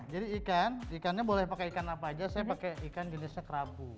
jadi ikan ikannya boleh pakai ikan apa aja saya pakai ikan jenisnya kerabu